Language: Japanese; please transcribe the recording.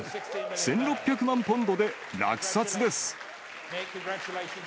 １６００万ポンドで落札です。